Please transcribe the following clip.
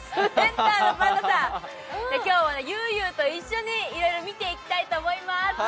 今日は、ゆうゆうと一緒にいろいろ見ていきたいと思います。